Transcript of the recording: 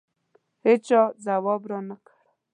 هېچا ځواب رانه کړ.